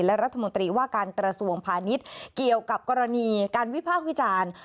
และรัฐมนตรีว่าการกระทรวงพาณิชย์เกี่ยวกับกรณีการวิพากษ์วิจารณ์